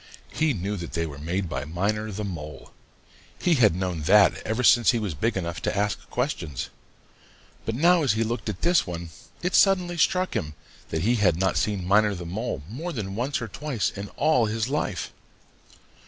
He knew that they were made by Miner the Mole. He had known that ever since he was big enough to begin to ask questions. But now as he looked at this one, it suddenly struck him that he had not seen Miner the Mole more than once or twice in all his life.